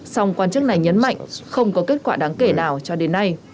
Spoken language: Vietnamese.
song quan chức này nhấn mạnh không có kết quả đáng kể nào cho đến nay